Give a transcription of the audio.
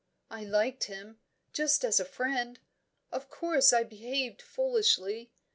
I liked him, just as a friend. Of course I behaved foolishly.